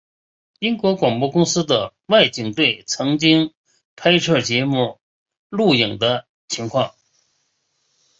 英国广播公司的外景队曾经拍摄节目录影的情况。